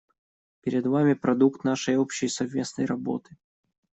Перед вами — продукт нашей общей совместной работы.